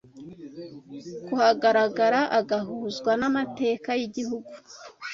kuhagaragara agahuzwa n’amateka y’igihugu.”